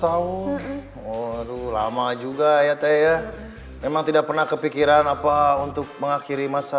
tahu waduh lama juga ya teh ya memang tidak pernah kepikiran apa untuk mengakhiri masa